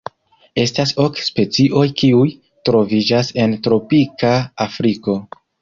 Estas ok specioj kiuj troviĝas en tropika Afriko.